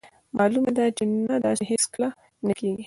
مالومه ده چې نه داسې هیڅکله نه کیږي.